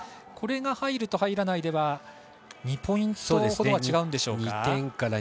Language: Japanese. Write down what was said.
これが入ると入らないでは２ポイントほど違うんでしょうか。